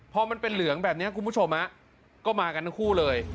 พอมันเป็นเหลืองแบบนี้คุณผู้ชมก็มากันทั้งคู่เลย